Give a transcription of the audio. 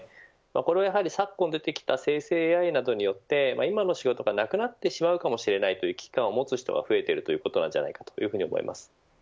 これは、昨今出てきた生成ＡＩなどによって今の仕事がなくなってしまうかもしれないという危機感を持つ人が増えていることなんじゃないかと思います。